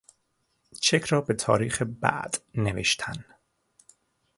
چک را به تاریخ بعد نوشتن